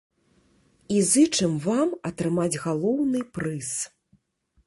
І зычым вам атрымаць галоўны прыз!